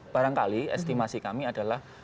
barangkali estimasi kami adalah